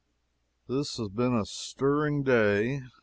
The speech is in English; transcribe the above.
This has been a stirring day.